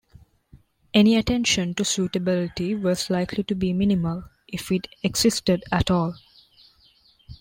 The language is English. Any attention to suitability was likely to be minimal, if it existed at all.